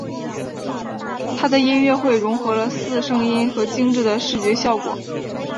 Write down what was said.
他的音乐会融合了四声音和精致的视觉效果。